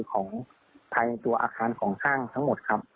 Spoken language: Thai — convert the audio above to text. ของภายในตัวอาคารของห้างทั้งหมดครับ